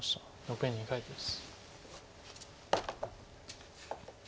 残り２回です。